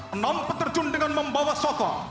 enam peterjun dengan membawa soko